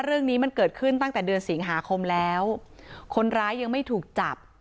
เรื่องนี้มันเกิดขึ้นตั้งแต่เดือนสิงหาคมแล้วคนร้ายยังไม่ถูกจับ